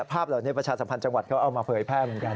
ภาพเหล่านี้ประชาสัมพันธ์จังหวัดเขาเอามาเผยแพร่เหมือนกัน